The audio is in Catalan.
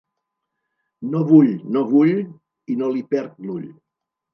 No vull, no vull... i no li perd l'ull.